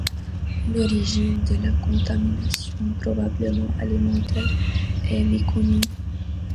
L'origine de la contamination, probablement alimentaire, est méconnue.